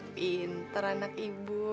pinter anak ibu